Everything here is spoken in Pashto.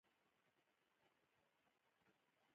د حشراتو پر ضد مبارزه د حاصل زیاتوالي لپاره اړینه ده.